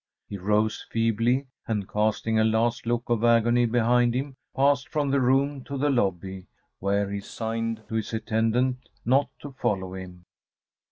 He rose feebly, and casting a last look of agony behind him, passed from the room to the lobby, where he signed to his attendant not to follow him.